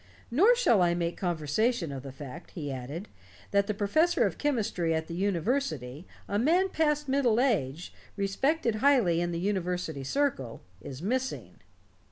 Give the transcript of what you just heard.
"Nor shall I make conversation of the fact," he added, "that the professor of chemistry at the university, a man past middle age, respected highly in the university circle, is missing."